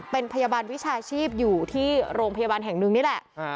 เป็นพยาบาลวิชาชีพอยู่ที่โรงพยาบาลแห่งหนึ่งนี่แหละ